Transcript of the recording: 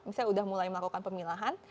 misalnya sudah mulai melakukan pemilahan